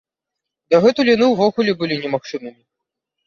Дагэтуль яны ўвогуле былі немагчымымі.